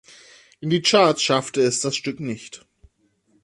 In die Charts schaffte es das Stück nicht.